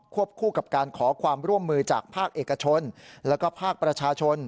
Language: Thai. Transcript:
คู่กับการขอความร่วมมือจากภาคเอกชนแล้วก็ภาคประชาชน